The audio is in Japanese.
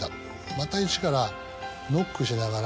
またイチからノックしながら。